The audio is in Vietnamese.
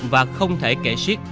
và không thể kể suyết